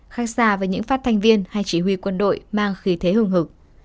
khác xa với những phát thanh viên hay chỉ huy quân đội mang khí thế hương hực